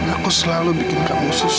aku selalu bikin kamu khusus